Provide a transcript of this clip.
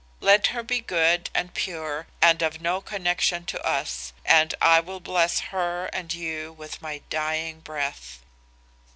Let her be good and pure and of no connection to us, and I will bless her and you with my dying breath.